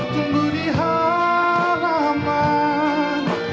tunggu di halaman